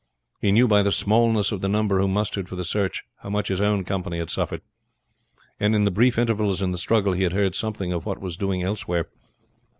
He knew by the smallness of the number who mustered for the search how much his own company had suffered, and in the brief intervals in the struggle he had heard something of what was doing elsewhere.